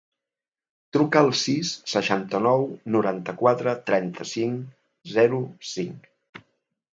Truca al sis, seixanta-nou, noranta-quatre, trenta-cinc, zero, cinc.